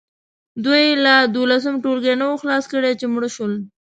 دوی لا دولسم ټولګی نه وو خلاص کړی چې مړه شول.